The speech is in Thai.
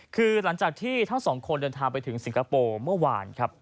คือหลังจากที่ทั้งสองคนเดินทางไปถึงสิงคโปร์เมื่อวานครับ